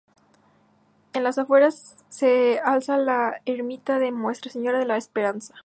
En las afueras se alza la ermita de Nuestra Señora de la Esperanza.